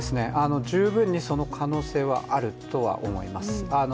十分にその可能性はあると思います。